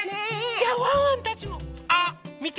じゃワンワンたちも。あっみて！